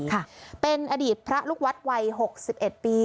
ค่ะเป็นอดีตพระลูกวัดวัย๖๑ปี